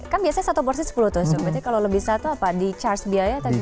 kan biasanya satu porsi sepuluh tusuk berarti kalau lebih satu apa dicharge biaya atau gimana